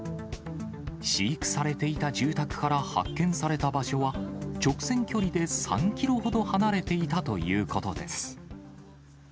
飼育されていた住宅から発見された場所は、直線距離で３キロほど離れていたということです。